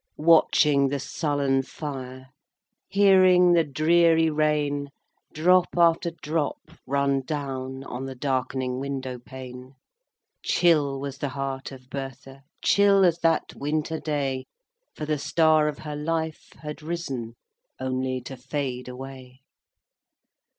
II. Watching the sullen fire, Hearing the dreary rain, Drop after drop, run down On the darkening window pane; Chill was the heart of Bertha, Chill as that winter day,— For the star of her life had risen Only to fade away.